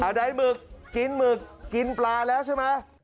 ใดหมึกกินหมึกกินปลาแล้วใช่ไหม